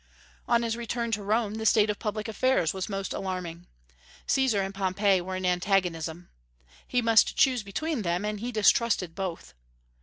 On his return to Rome the state of public affairs was most alarming. Caesar and Pompey were in antagonism. He must choose between them, and he distrusted both.